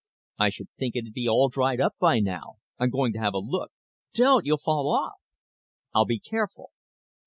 "I should think it'd be all dried up by now. I'm going to have a look." "Don't! You'll fall off!" "I'll be careful."